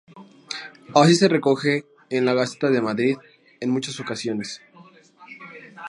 Así se recoge en la Gaceta de Madrid en muchas ocasiones.